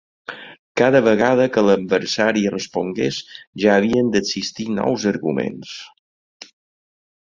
Cada vegada que l'adversari respongués ja havien d'existir nous arguments.